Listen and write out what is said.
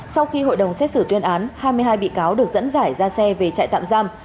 sau khi hội đồng xét xử tuyên án hai mươi hai bị cáo được dẫn giải ra xe về trại tạm giam